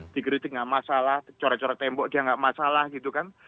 dikritik nggak masalah coret coret tembok dia nggak masalah gitu kan